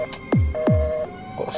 siapa sih telfonnya